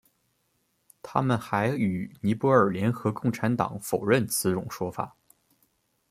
他们还与尼泊尔联合共产党否认此种说法。